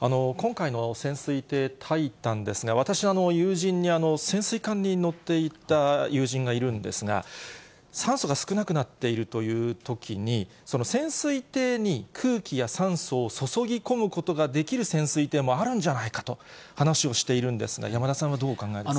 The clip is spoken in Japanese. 今回の潜水艇、タイタンですが、私の友人に潜水艦に乗っていた友人がいるんですが、酸素が少なくなっているというときに、その潜水艇に空気や酸素を注ぎ込むことができる潜水艇もあるんじゃないかと話をしているんですが、山田さんはどうお考えですか。